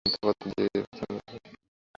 তুমি তার যে পত্রখানা পাঠিয়েছ, তাও পেয়েছি।